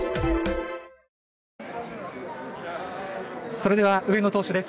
それでは上野投手です。